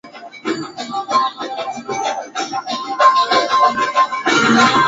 Kama unataka kwenda mbali nenda na wenzako